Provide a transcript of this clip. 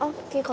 bentar ya pak